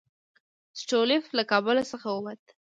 سټولیټوف له کابل څخه ووت.